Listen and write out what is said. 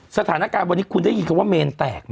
สถานการณ์วันนี้คุณได้ยินคำว่าเมนแตกไหม